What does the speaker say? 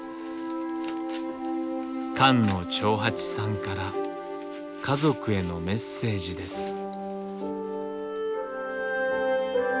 菅野長八さんから家族へのメッセージです。